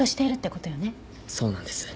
そうなんです。